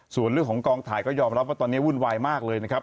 ส่วนเรื่องของกองถ่ายก็ยอมรับว่าตอนนี้วุ่นวายมากเลยนะครับ